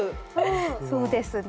そうですね。